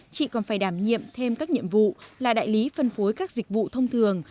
chị còn phải đảm nhiệm thêm các nhiệm vụ là đại lý phân phối các dịch vụ thông thường